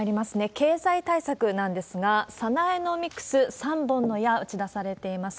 経済対策なんですが、サナエノミクス３本の矢、打ち出されています。